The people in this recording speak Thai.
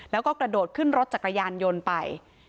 แล้วก็กระโดดขึ้นรถจักรยานยนต์ไป